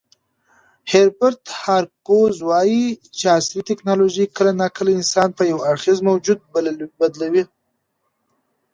هربرت مارکوز وایي چې عصري ټیکنالوژي کله ناکله انسان په یو اړخیز موجود بدلوي.